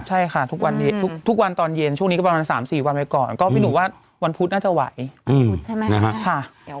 ใช่ค่ะทุกวันตอนเย็นช่วงนี้ก็ประมาณสามสี่วันไปก่อนก็พี่หนูว่าวันพุธน่าจะไหว